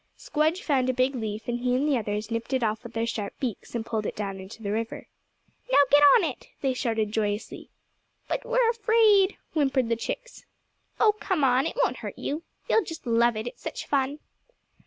Squdge found a big leaf and he and the others nipped it off with their sharp beaks, and pulled it down into the river. "Now get on it," they shouted joyously. "But we're afraid," whimpered the chicks. "Oh, come on! it won't hurt you. You'll just love it, it's such fun."